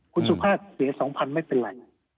คุณสุภาพเสีย๒๐๐ไม่เป็นไร